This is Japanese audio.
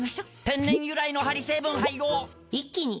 天然由来のハリ成分配合一気に！